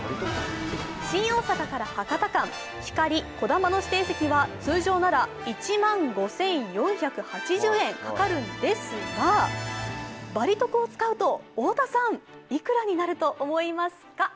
新大阪から博多間、ひかり・こだまの指定席は、通常なら１万５４８０円かかるんですがバリ得を使うと、いくらになると思いますか？